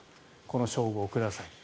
この称号をくださいと。